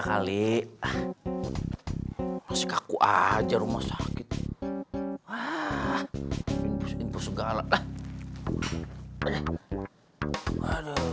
kali masih kaku aja rumah sakit ah ibu segala ah udah